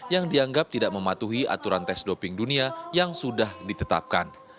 yang dianggap tidak mematuhi aturan tes doping dunia yang sudah ditetapkan